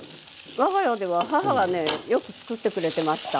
我が家では母がねよく作ってくれてました。